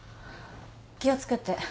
気を付けて。